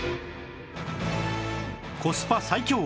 コスパ最強！